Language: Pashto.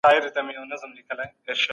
سندرغاړو ملي سندري ویلې.